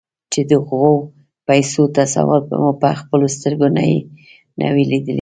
چې د غو پيسو تصور مو پهخپلو سترګو نه وي ليدلی.